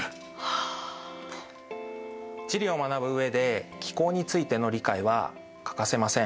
地理を学ぶ上で気候についての理解は欠かせません。